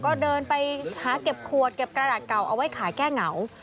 ก็เดินไปหาเก็บขวดเก็บกระดาษเก่าเอาไว้ขายแก้เหงา